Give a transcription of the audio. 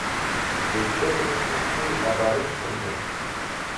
Ведь это не купцы, а барышники.